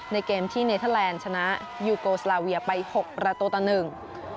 ในเกมที่เนเทอร์แลนด์ชนะยูโกสลาเวียไปหกประตูต่อหนึ่ง